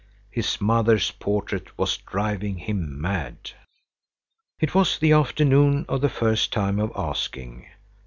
His mother's portrait was driving him mad. It was the afternoon of the first time of asking.